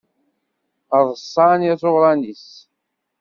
Rṣan iẓuṛan-is.